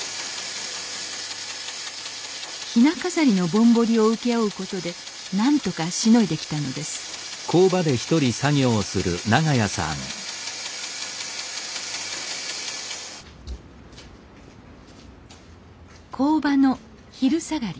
ひな飾りのぼんぼりを請け負うことでなんとかしのいできたのです工場の昼下がり。